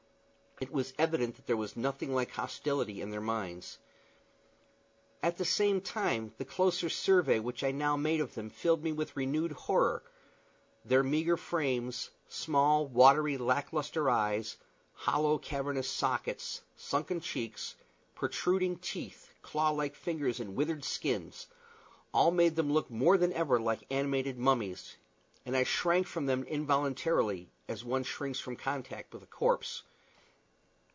It was evident that there was nothing like hostility in their minds. At the same time, the closer survey which I now made of them filled me with renewed horror; their meagre frames, small, watery, lack lustre eyes, hollow, cavernous sockets, sunken cheeks, protruding teeth, claw like fingers, and withered skins, all made them look more than ever like animated mummies, and I shrank from them involuntarily, as one shrinks from contact with a corpse.